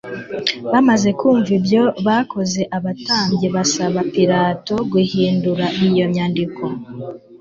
Bamaze kumva ibyo bakoze, abatambyi basaba Pilato guhindura iyo nyandiko